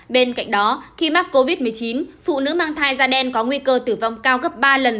bên cạnh đó khi mắc covid một mươi chín phụ nữ mang thai da đen có nguy cơ tử vong cao gấp ba lần